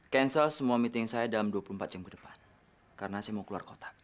cancel semua meeting saya dalam dua puluh empat jam ke depan karena saya mau keluar kota